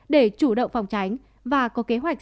để chủ động phòng tránh và có kế hoạch